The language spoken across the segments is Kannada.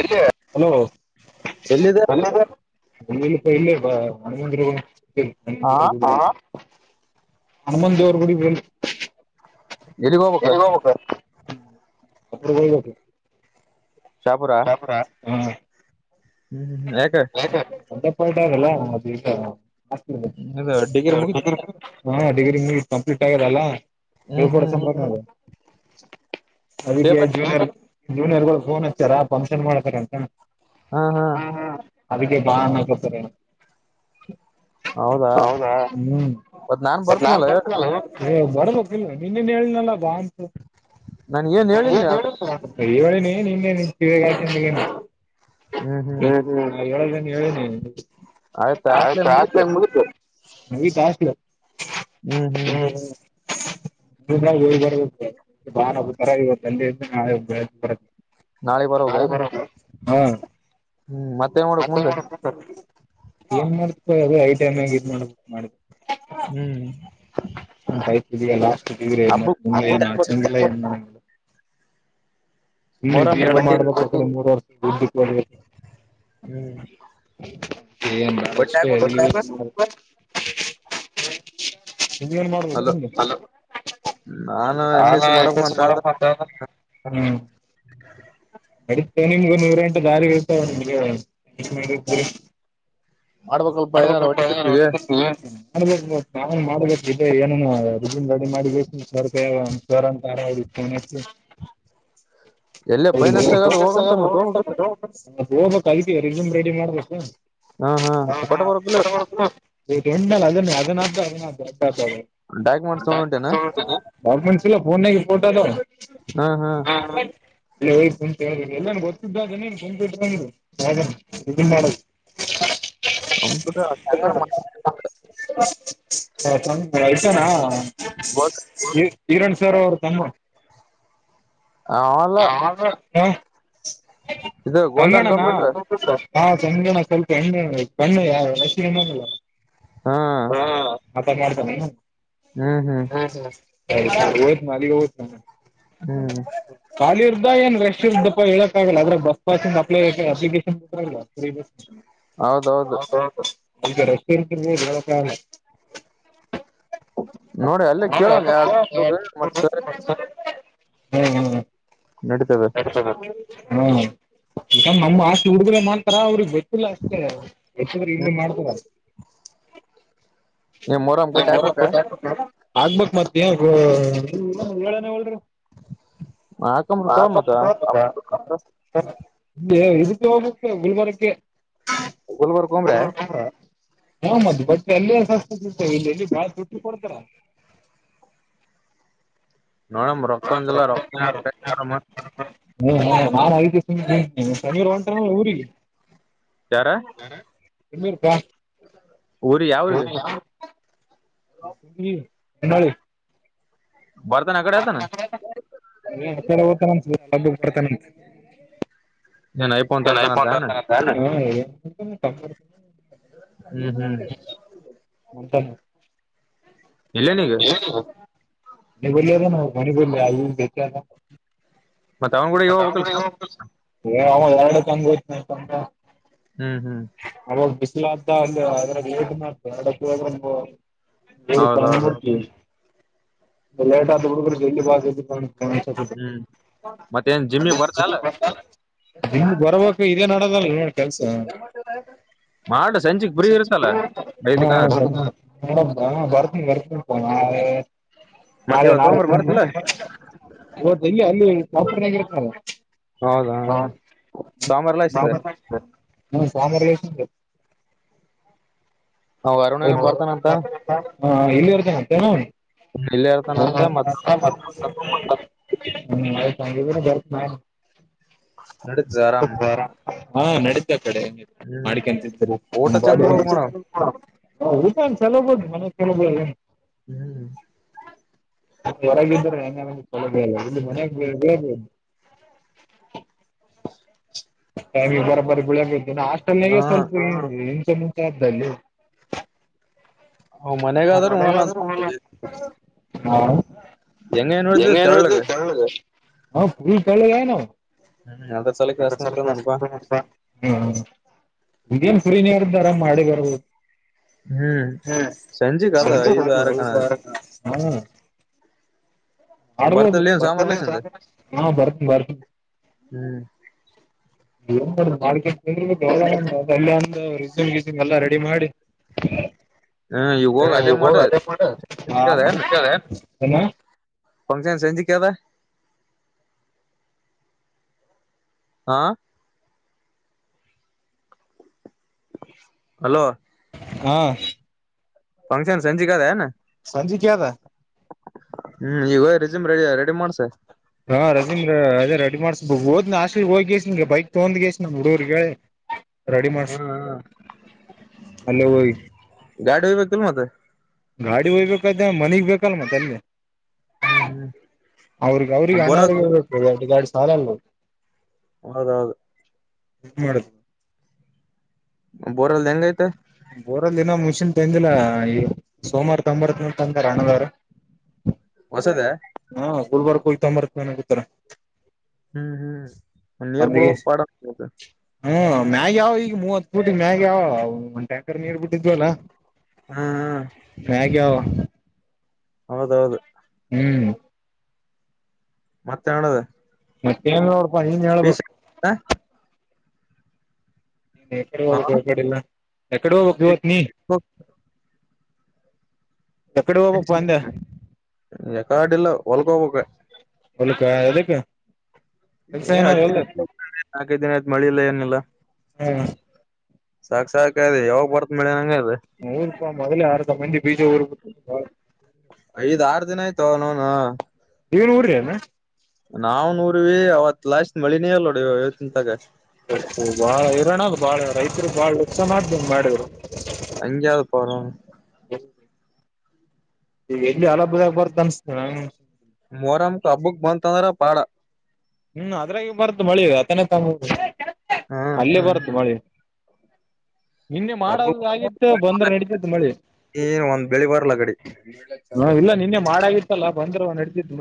ಅ ಹಲೋ ಎಲ್ಲಿದೆ ಕಯಾದ ಲ್ಲಪ ಇಲ್ಲೇ ಬ ಮನಂದ ಹಾ ಹ ಹನುಮಂತ ದೇವರು ಗುಡಿಗೆ ಹೋಗಿ ಎಲ್ಲಿಗ್ ಹೋಗ್ಬೇಕ ಅ ಕಗತ್ತು ಶಾಪುರಾ ಹ ಯಾಕ ಒಂತಪಯಾರಲ್ಲ ಅ ಅದು ಡಿಗ್ರಿ ಮುಗೀತಾ ಹಾ ಡಿಗ್ರಿ ನೀ ಕಂಪ್ಲೀಟ್ ಆಗ್ಯದಲ್ಲಾ ನೀ ಹ್ಮ್ ಕಡ ಹ್ಮ್ ಸಂ ಅದ ಜ ಪೇಪರ್ ನೀವ್ ಎಫೋನ್ ಾರ ಫಂಕ್ಷನ್ ಮಾಡ್ತಾರಂತ ಹಾ ಹಾ ಅದಕ್ಕೆ ಬಾ ಅನ್ನಕತೆರೇನೋ ಹೌದಾ, ಹ್ಮ್ ಮತ್ ನಾನ್ ಬರ್ತೀನಲ್ಲಾ ಹೋಗ್ ಏ ಹೋಗ್ [unintelligible] ನಿನ್ನೇನ್ ಹೇಳಿನಲ್ಲ [unintelligible] ಹೇಳೀನಿ. ನನ್ ಏನ್ ಹೇಳಿಲ್ಲ ಅ ಹ್ಮ್ ಹ್ಮ್ [unintelligible] [inaudible] [unintelligible] ಹೇಳೆ [unintelligible] ಆಯ್ತ ಹಾಸ್ಟ್ಲ್ ಆಯ್ತು ಏನ್ ಮುಗಿತು ಹಾಸ್ಟೆಲೇ ಮುಗೀತು. ಮುಗೀತಾ ಹಾಸ್ಟಲು ಹ್ಮ್ ಹ್ಮ್ ಈಗ ಇಳ್ ಬರುದಕ್ಕೆ ಬಾರವ ಪರವಾಗಿಲ್ಲ ತಂಡಿ ಐತ್ ನಾಳೆ ಬೆಳಗ್ ಬರಕ್ ನಾಳಿಗ್ ಬರೋಗ ನಾಳೆ ಬರೂಕ ಹಾಂ ಹ್ಮ್ ಮಾಡಕ್ ಮತ್ತೇನ್ ಮುಂದೆ ಮಾಡ್ ಬೇಕ್ ಮುಂದ, ಏನ್ ಮಾಡ್ ಎ ಅದೇ [unintelligible] ಹ್ಮ್ ಇದಿಯಲ್ಲಾ ಹಬ್ಬಕ್ [unintelligible] ಇನ್ನು ಮೊರಂ ಬಿ. ಎಡ್ ಬಟ್ಟಿ ಮಾಡ್ಬೇಕ ಮೂರ್ ವರ್ಷ್ [unintelligible] [unintelligible] [inaudible] ಹ್ಮ್ ಬಟ್ಟೆ ಹಾಕ್ಬೇಕ ಇನೇನ್ ಮಾಡ್ಬೇಕ್ ಅಲ್ಲ ಮುಂದ ಅಲೋ ನಾನು ಎಮ್ ಎಸ್ ಸಿ ಮಾಡ್ಬೇಕು ಅಂತ ಅದ [unintelligible] ಹ್ಮ್ [inaudible] ನಡಸ್ತೇವೆ ನಿಮಗು ನೂರು ಎಂಟ ದಾರಿ ಇರ್ತವ ನಿಮಗೆ [unintelligible] ಮಾಡ್ಬೇಕಲ್ಪಾ ಏನಾರ ಹೊಟ್ಟೆ ತುಂಬ್ಳಿಕೆ. [unintelligible] ಎಲ್ಲೇ ಅವ್ರಿಗೆ ಫೈನಾನ್ಸ್ ತಗೊಂಡ್ ಹೋಗಂತ ಮತ್ ಹೋಗ್ಬೇಕತ್ತ ಹೋಗ್ಬೇಕ್ ಅದುಕೆ ರೆಸ್ಯೂಮ ರೆಡಿ ಮಾಡಬೇಕ. ಹಾಂ ಹಾಂ ಆಟೋ ಬರುತ್ತಿಲ್ಲೋ [unintelligible] [unintelligible] ಡಾಕ್ಯುಮೆಂಟ್ಸ್ ತಗೊಂಡ್ ಹೊಂಟೇನ ಡಾಕ್ಯುಮೆಂಟ್ಸ್ ಎಲ್ಲ ಫೋನಾಗೆ [unintelligible] ಹಾ ಹಾ ಇಲ್ಲಯ ಕುಂತ ಎಲ್ಲ ಗೊತ್ತಿದ್ದೇ ಮಾಡ [unintelligible] [inaudible] ಕಂಪುಟ ಎಂಗಾದರುಮಾಡಕೂಂಡ [unintelligible] ಹ ಅಳ್ಸನಾ ಗೋಲ್ಡ್ ಈ ಕಿರಣ್ ಸರ್ ಅವ್ರ ತಮ್ಮ ಅಲ್ಲ ಹ ಹ ಇದು ಗೋಲ್ಡನ್ ಸಂಗಣನಾ ಕಂಪ್ಯೂಟರ್ ಹಾ ಕ್ಣಣ ಸ್ವಲ್ಪ ಎಣ್ಣ ಕಣ್ಣ ಯ [unintelligible] ಹಾ ಮಾಡತ್ತನನ ಹ್ಮ ಹ್ಮ ಹೂತನ ಅಲ್ಲಿಗ ಹೂತನಿ ಹ್ಮ್ ಇದ ಏನ್ ರೆಶ್ ಇರದ್ದಪ್ಪ ಹೇಳ ಲ್ಲ ಅ್ರ ಬಸ್ ಪಾಸಂಗ್ ಅಪ್ಲ ಅಪ್ಲಿಕೇಶನ್ ಬಲ್ಲ ಹೌದೌದು ನಮ ರೆಸ್ಟೋರೆಂಟ್ ನೋಡಿ ಅಲ್ಲೇ ಕೇಳ ಮತ್ ಸರಿ [unintelligible] ಹ್ಮ್ ಹ್ಮ್ ನಡೀತದ ನಡ್ತಿದ ಹಾ ಈ ನಮ್ಮ ಆಷ್ಟಲ ಹುಡುಗರ ಮಾಡ್ತಾರ ಅವ್ರಿಗ್ ಲ್ಲ ಅಷ್ಟೇ ಬೇಕ್ಕಿದರೆ ಇಲ್ಲಿ ಮಾಡ್ತರ ಏನ ಮೂರಮ್ಮ್ ಪಟ್ಟಿ ಹಾಕ್ಬೇಕಾ ಹಾಕಬೇಕ್ ಮತ್ತ ನೀವೇನ್ ಹೇಳನೆವಲ್ಲರೀ ಹಾಕಂಬ್ರ ಹ ತಗೋ ಮತ್ತ [unintelligible] ಇದಕ್ಕೆ ಹೋಗ್ಕ್ಕೆ ಗುಲ್ಬರ್ಗ್ಗೆ ಗುಲ್ಬರ್ಗ್ ಹೋಗ್ಂಬ್ರೆ ಬ ತ [unintelligible] ಹ ಮ ಬಟ್ಟಿ ಎಲ್ಲೆ ಸಸ್ಥ ಇಲ್ಲಿ ಎಲ್ಲಿ ಬಾಳ ತೊಟ್ಟಿ ಕೊಡ್ತಾರ ನೋಡಮ್ ರೂಕ್ಕಂದ ಇಲ್ಲ ರ [unintelligible] ಹ್ಮ ಹ ನಾನ ಅದಕ್ಕೆ ಸುಮ್ಮನಿದಿನಿ ಇವರ ಒಂಟ್ರ ಅಲ್ಲ ಊರಿಗೆ ಯಾರ ಎಲ್ಲಿರುಕ್ಕಾ [unintelligible] ಊರಿ ಯಾವೂರಿಗಿ. ಹ್ಮ. [unintelligible] ಬರ್ತಾನ ಆಕಡೆ ಓತನ. ಆ ಕಡೆ ಓತಾನಂತ. [unintelligible] ಏನ್ ಐಫೋನ್ ತರ್ತಾನಂತ [unintelligible] [inaudible] [inaudible] ಹ್ಮ್ ಹ್ಮ್. [inaudible] ಇಲ್ಲೇನೀಗ [unintelligible] [unintelligible] ಮತ್ತ ಅವ್ನ ಗೂಡನೇ ಹೋಗ್ಬೇಕಿಲ್ಲ ಶಹಾಪುರಕ. ಏ ಅವ ಎರಡ್ಕ್ ಅಂಗ ಹೋಗ್ತೀನಿ ಅಂದ. ಹ್ಮ್ ಹ್ಮ್. [unintelligible] [unintelligible] ಹೌದೌದು ಫುಲ್ ಲೇಟ್ ಆಗ್ತದ ಜಲ್ದಿ ಬಾ ಜಲ್ದಿ ಬಾ. [inaudible] ಹ್ಮ್ ಮತ್ತೇನ್ ಜಿಮ್ಮಿಗ್ ಬರ್ತಾ ಅಲ್ಲ ಜಿಮ್ಮಿಗಿ ಬರಬೇಕು. ಇದೇ ನಡೆದದಲ್ಲ. ಕೆಲ್ಸ ಮಾಡ ಸಂಜೆಗ್ ಫ್ರೀ ಇರ್ತಲ್ಲ ಐದಕ್ಕ ಹ ಬರ್ತೀನಿ ಬರ್ತನಿ. [inaudible] ಮತ್ ನಾಳೆ ಇವತ್ ನಾಳೆ ತಗೊಂಬರ್ ಬರ್ತಿಲ್ಲ [unintelligible] ಹೌದಾ ಸೋಮಾರ್ಲಾಸಿಂದ ಹ್ಮ ಸೋಮರ್ ಲೆಸ್ ಇಂದ. ಅವ ಅರುಣ ಏನಾ ಬರ್ತಾನಂತ. ಹಾ ಇಲ್ಲಿ ಇರ್ತಾನಂತ ಏನ್ ಅವ. ಇಲ್ಲೇ ಇರ್ತಾನಂತ ಮತ್ [unintelligible] ಹ್ಮ್ ಆಯ್ತು ಹಂಗಿದ್ರೆ ಬರ್ತ [inaudible] ನಡಿತ್ದ ಆರಾಮ. ಹಾ ನಡೀತ ಕಡೆ ಮಾಡಿಕಂತ ಇದರ್ ಊಟ ಚಂದ ಬಳ್ಕ್ ನೋಡ ರೂಪನ್ ಚಲೋಬೋದು ಮನೆ ಚಲೋಬೋದು ಹ್ಮ್ ಹೊರಗಿದ್ರಾ ೇ [unintelligible] ಬರಬ್ಬರಿ ಬೆಳಿಯಬೇಕ ಇ ಹಾಸ್ಟೆಲ್ ಹಾ ಸ್ವಲ್ಪ ಚಮಚ್ದಲ್ಲಿ [unintelligible] ಅವ್ ಹಾ ಮನ್ಯಾಗಾದ್ರೂ ಉಣಲ್ಲ ಅಂತ ಹೆಂಗ ಏನ್ ನೋಡಿದ ತೆಳ್ಳಗ ಪೂಲ್ ತೆಳಗ ಆಗ್ಯಾನ ಹ್ಮ್ ಅದ್ರ ಸಲಕ್ಕೆ ಅವ ಹಸ್ತ ನನ್ಪಾ [unintelligible] ಹೇನ್ ಫ್ರೀ ಮಾಡ ಬರ್ ಹ್ಮ್ ಸ ಅಜ ಕಾದ ಈದ ಆರಾಕ್ಕ್ ಹಾ ಆ ಬರ್ತಲ್ಲಿ ಏನ್ ಸಾಂಬಾರ್ಲಸಂದ ಹಾ ಬರ್ತ ಬರ್ [unintelligible] ಹ್ಮ್ ಏನ್ ಮಾಡ್ ಮಾಡಕ ಗರ್ ಅಲ್ಲಿ ಒಂದು ರೆಸೂಮ್ ಎಲ್ಲ ರೆಡಿ ಮಾಡಿ ಹಾಯ್ ಈಗ ಹೋಗಿ ಅದೇ ಮಾಡು ಹಾ ಏನ್ ಫಂಕ್ಷನ್ ಸಂಜಿಕ ಅದ ಹಾ ಹಲೋ ಹಾ ಫಂಕ್ಷನ್ ಸಂಜಿಕಿ ಅದ ಏನ ಸಂಜಿಕೆ ಅದ ಹ್ಮ್ ಈಗ ರಿಜುಮ್ ರೆಡಿ ರೆಡಿ ಮಾಡ್ಸ ಮಾಡಸ ಹ ಹಾಸ್ಟೆಲ್ ಹೋಗಿಗೆ ಬೈಕ್ ತಗಂದ್ಗಸ ನಮ್ಮ ಹುಡುಗುರಿಗೇಳಿ ಹ್ಮ ಹ ಅಲ್ಲೇ ಹೋಗಿ ಗಾಡಿ ಒಯ್ಬೇಕಿಲ್ಲ ಮತ್ತ ಗಾಡಿ ಹೋಗ್ಬೇಕತ್ತ ಮನೆಗ್ ಬೇಕಲ್ ಮತ್ತೆ ಅಲ್ಲಿೇ ಹ್ಮ್ ಅವ್ರಿಗೆ ಅವ್ರಿಗೆ ಹ್ಮ್ ಅಣ್ಣರಿ ಬರೋದ್ ಬೇಕುಡು ಗಾಡಿ ಸಾಲ ಅಲ್ಲ ಹೌದೌದು ಎ ಮಾಡುದು ಬೋರ್ಲ್ ಹೆಂಗ ಐತೆ ಬೋರಲ್ಲಿ ದಿನ ಮುನ್ಷನ್ ತಂದಿಲ್ಲ ಈ ಸೋಮವಾರ ತೊಂಬರ್ತೀನಿ ಅಂದರಅಣ್ಣದರ ಹೊಸದೇ ಹಾ ಗುಲ್ಬರ್ಗಕ ಹೋಗಿ ತಗೊಂಡು ಬರ್ತೀನಿ ಅನಕತ್ಯಾರ ಹ್ಮ್ ಹ್ಮ್ ನೀರ್ ಬಿಳ ಬೇಕು ಪಾಡ್ ಹ್ಮ ಮ್ಯಾಗ ಯಾವ್ ಈಗ ಮೂವತ್ ಪೋಟಿಗೆ ಮ್ಯಾಗ ಯಾವ ಒಂದ್ ಟ್ಯಾಂಕರ್ ನೀರ್ ಬಿಟ್ಟಿದ್ವಲ್ಲ ಹ್ಮ್ ಮ್ಯಾಗೆ ಹಾವ ಹೌದೌದು ಹ್ಮ್ ಮತ್ತೇನ್ ನಡ್ದು ಮತ್ತೇನ್ ನೋಡ್ಪಾ ನೀನ್ ಹೇಳ್ಬೇಕು ನೀನ್ ಎಕಡೆ ಹೋಗಬೇಕು ಹೊ ಕಡೆಲ್ಲ ಎಕಡೆ ಹೋಗಕ್ ಇವತ್ ನೀ ಎಕಡೆ ಹೋಗ್ಬೇಕ್ ಅಂದೆ ಎಕಾಡಿಲ್ಲ ಹೊಲಕ ಹೋಗಬೇಕು ಒಲಕ್ಕ ಯಾದಕ್ ಏ ನಾಲ್ಕೈ ದಿನ ಆಯ್ತ್ ಮಳಿಲ್ಲ ಏನಿಲ್ಲ ಹ್ಮ ಸಾಕ್ ಸಾಕ್ರಿ ಯಾವಾಗ ಬರ್ತ್ ಮೇಳ ನಂಗ ಅದ ಮೂರು ರೂಪ ಮೊದ್ ಆರ್ದ ಮಂದಿ ಬೀಜ ಊರ್ಬಿಟ್ಟು ಐದ್ ಆರು ದಿನ ಆಯ್ತು ನೋನ್ [unintelligible] ನಾವ್ ನೂರುವಿ ಅವತ್ ಲಾಸ್ಟ್ ಮಳಿನೇ ಇಲ್ಲ್ ನೋಡ್ ಇವತ್ನ್ ತಾಗ ಅಪ್ಪ ಬಾಳ ಐರೋಣದು ಬಾಳ ರೈತರು ಬಾಳ ಉತ್ಸಾನ ಆದ್ದಂಗ ಮಾಡಿದ್ರು ಅಂಗಯವುಕೋ ಅವನನ್ ಹ ಈಗ ಎಲ್ಲಿ ಹಲ ಹಬ್ಬ ಬುದ ಬರ್ತ ಅನ್ಸ್ತನೆ ನ ಮೊರಮಕ್ ಹಬ್ಬಕ್ ಬಂತಂದ್ರ ಪಾಡ ಹ್ಮ್ ಅದ್ರಾಗ ಬರ್ತು ಮಳಿ ಆ ತನ ತ ಹ್ಮ್ ಅಲ್ಲೇ ಹ್ಮ್ ಬರುರ್ತ ಮಳೆ ಹ ನಿನ್ನೆ ಹಬ್ಬಕ್ ಮಾಡೋಗತ್ತು ಬಂದ್ರೆ ನಡತಿತ್ತು ಮಳಿ ಏನ್ ಒಂದ್ ಬೆಳಿ ಬರ್ಲ ಗಡಿ ಹ ಇಲ್ಲ ನಿನ್ನೆ ಮಾಡಾಗಿತ್ತಲ್ಲ ಬಂದ್ರೆ ನಡತ [inaudible]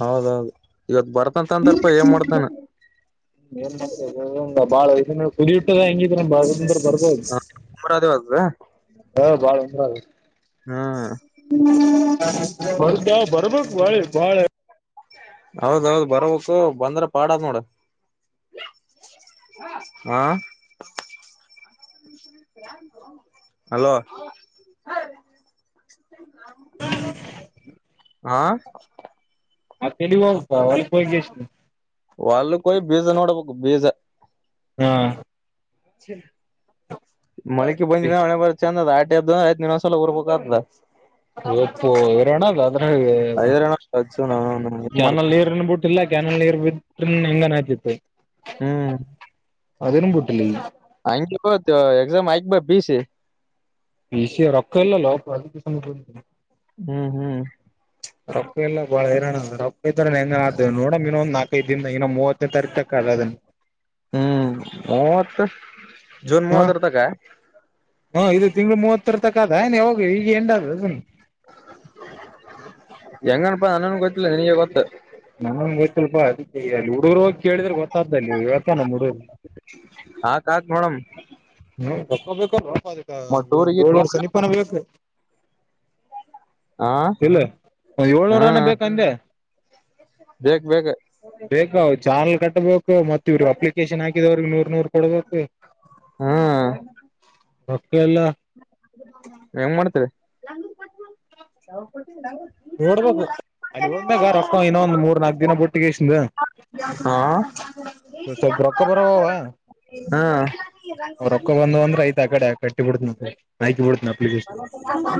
ಹೌದೌದು ಇವತ್ ಬರ್ತಂತ ಅಂತಾರಪಾ ಏನ್ ಮಾಡ್ತಾನ ಬಾಳ ಪುದಿಯುಟ್ಟದಾಯಂಗಿ ಭರ ಹ ಮರ ದವ [unintelligible] ಹ್ಮ್ ಬರ್ತಾವ ಬರ್ಬೇಕಕ್ ಬಾಳೆ ಬಾಳೆ ಹೌದೌದು ಬರಬೇಕು ಬಂದ್ರ ಪಾಡದ ನೋಡ ಹ ಹಲೋ ಹಾ ಹ ಕೆಡಿಗಿ ಹೊ [unintelligible] ಯಿ ಬೀಜ ನೋಡ ಬಕ್ ಬೀಜ ಹಾ ಚ ಮಳಕೆ ಬಂದಣೆ ಬರುತ್ತೆ ಚಂದದ ಆಟದ ಐತ್ ಇನಸಲ ಹರ್ಬೇಕತ ಇಪ್ಪು ಇರೋಣದು ಅದ್ರೆ ಐದರಣ ಹಚ್ಚು ನ ಇದ್ ಕ್ಯಾನಲ್ ಮಾಡ್ತ ನೀರನ ಬಿಟ್ಟಿಲ್ಲ ಕೆನಲ್ ನೀರು ಬಿಟ್ರುನೂ ಹೆಂಗರ್ ಆಗ್ತಿತ್ತು ಹ್ಮ್ ಅದನು ಪುಟ್ಟಿಲ್ಲನು ಹಗೆ ಎಕ್ಸಾಮ್ ಆಯಕ್ ಬ ಪಿ ಸಿ ಪ ಸಿ ರೊಕ್ಕ ಇಲ್ಲಲ್ಲೋಲ ಹ್ಮ್ ಹ್ಮ್ ರೊಪ್ಪ ಎಲ್ಲ ಬಾಳ ಹೈರಾಣ ಅ ರೊಪ್ಪ ಐತ ಹೆಂಗರ ಆತದ ನೋಡೊಮ್ಮ್ ಇನ್ನೊಂದು ನಾಲ್ಕ್ ಇದಿನ ಇನ್ನು ಮೂವತ್ತನೇ ತಾರೀಕ ತಕ್ಕಲ್ಲ ಅಗಲ್ ಇನ್ ಜನ್ ಹಾ ಮೂವತ್ತರತ ಕ ಹಾ ಇದು ತಿಂಗಳ ಮೂವತ್ತರ ತಕ ಅದ ಏ ಹೋಗಿ [unintelligible] [unintelligible] ನಮನ್ ಗೊತ್ತಲ್ಪಾ ಅದಕ್ಕೆ ಅಲ್ಲಿ ಹುಡುಗರುೋಗಿ ಕೇಳಿದ್ರೆ ಗೊತ್ತಾಗ್ತಲ್ಲಿ ಹೇಳ್ತಾ ನಮ್ಮ್ ಹುಡುಗರು ಹಾಕ್ ಹಾಕ್ ನೋಡಮ್ ಹ್ಮ ತಕ ಬೇಕಲ್ಲೊ ಒಂದ ಟೂರ್ಗ ಏಳ್ವರ್ ಸನೀಪನ ಬೇಕು ಹ ಇಲ್ಲ ಏಳ್ನೂರ ಹ್ಮ ಹನ ಬೇಕಂದೆ ಬೇಕ್ ಬೇಕ ಬೇಕ ಚಾರ ಕಟ್ಟ [unintelligible] ಮತ್ತ ಇವರು ಅಪ್ಲಿಕೇಶನ್ ಹಾಕಿದವ್ರ ನೂರ್ ನೂರ್ ಕೊಡ್ಬೇಕ ಹ್ಮ್ ಹಾ ಹೆಂಗ ಮಾಡ್ತೇವೆ ಯ ನೋಡ್ಬೇಕು ಅಲ್ಲಿ ಓದ್ಮ್ಯಾಗ ರೊಕ್ಕ ಇನ್ನೊಂದ್ ಮೂರ್ ನಕ್ ದಿನ ಬಟ್ಟಿಗೆಷ್ಟಿಂದ ಹಾ ಸ್ವಲ್ಪ ರೊಕ್ಕ ಬರವವ ಹಾ ಕಟ್ಟಿಬಡತಂತೆ ಹಯಕಿ ಬಿಡ್ತ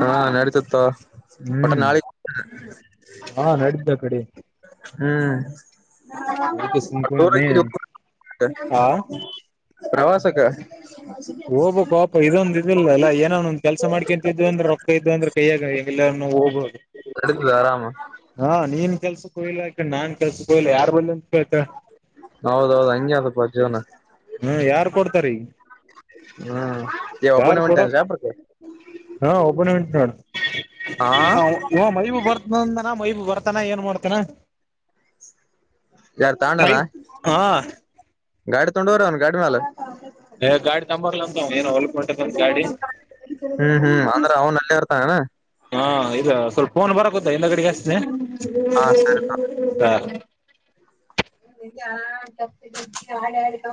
ಹಾ ನಡತತ್ತು ಒಟ್ಟ ಹ್ಮ್ ನಾಲೀಗ್ ಹಾ ನಡ್ದ ಆ ಕಡೆ ಹ್ಮ್ ಅದಕ್ಕೆ ಸುಮ್ ಕುಂತ್ನಿ ಆ ಪ್ರವಾಸಕ ಹ ಹೋಗ್ಬೇಕು ಪಪ ಇದೊಂದ ಅದಿಲ್ಲಲ್ಲ ಏನ್ ಒಂದಂದು ಕೆಲಸ ಮಾಡಕೊಂತ ಇದು ಅಂದ್ರ ರೊಕ್ಕ ಇದ್ದು ಅಂದ್ರ ಕೈಯಾಗಗೆಲ್ಲ ಹೋಗಬಹುದು ಅದೆ ಆರಾಮ ಕೆಲ್ಸಕ್ಕೆೋ ಇಲ್ಲಾಕ ನನ್ ಕೆಲ್ಸಕ್ಕೆ ಹ ಇಲ್ಲ ಯಾರ ಬ ಹೌದೌದು ಹಂಗೆ ಅಪ್ಪ ಜೀವನ ಹ್ಮ ಯಾರ್ ಕೊಡ್ತಾರಿ ಹ್ಮ್ ಏ ಒಬ್ಬನೇ ಯಾರ್ ಕೊಡ ಹೊಂಟೇನ್ ಶಾಪುರಕ್ಕೆ ಹಾ ಒಬ್ಬನಂಟ ಹಾ ನ ಮ ಬರ್ತ ನ ಮೈ ಬರ್ತಾನ ಏನ್ ಮಾಡ್ತಾನ ಯಾರ್ ತಾಂಡನ ಹಾ ಗಾಡಿ ತಂಡವರ ಅವ ಗಾಡಿ ನಲೆ ಹ ಗಾಡಿ ತಂಬಕ್ಲ ಅಂತ ಏನ ಹೊಲ್ಂಟದಂತ ಗಾಡಿ ಹ್ಮ್ ಹ್ಮ್ ಅಂದ್ರ ಅವ್ನ್ ಅಲ್ಲೇ ಇರ್ತಾನ ಹಾ ಇ ಸ್ಲ್ ಫೋನ್ ಹದಾ ಇಲ್ಲಗಡೆಿಗೆಸ್ನೆ ಹಾ ಸರಿ ಹ ಆ ಆ